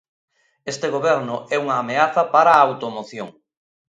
Este goberno é unha ameaza para a automoción.